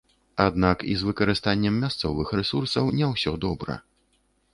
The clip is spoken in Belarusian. Аднак і з выкарыстаннем мясцовых рэсурсаў не ўсё добра.